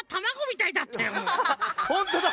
ほんとだ！